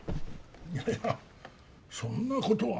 いやいやそんなことは。